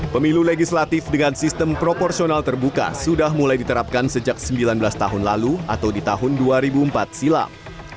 pemilu legislatif dengan sistem proporsional terbuka sudah mulai diterapkan sejak sembilan belas tahun lalu atau di tahun dua ribu empat silam